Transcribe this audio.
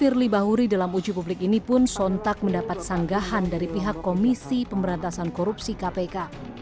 firly bahuri dalam uji publik ini pun sontak mendapat sanggahan dari pihak komisi pemberantasan korupsi kpk